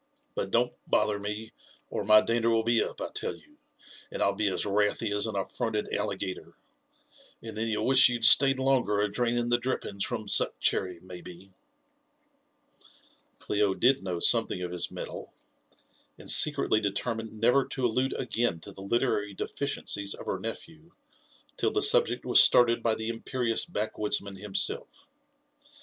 But don*t boliier me, or my dander will be up, I tell you, and I'll be as wrathy as an atTronted alligator; and then you'll wish you'd stayed longer a draining the drippings from Suc chcrry, maybe." Clio did know something of his metal, and secretly determined never to allude again to the literary deficiences of her nephew till the subject was started by the imperious back woodsman himself.